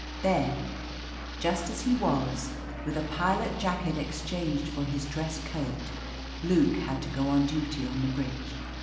Then, just as he was, with a pilot jacket exchanged for his dress coat, Luke had to go on duty on the bridge.